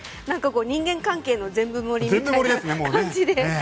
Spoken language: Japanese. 人間関係の全部盛りみたいな感じで。